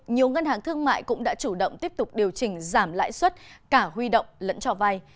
nhiều ngân hàng thương mại cũng đã chủ động tiếp tục điều chỉnh giảm lãi suất cả huy động lẫn cho vay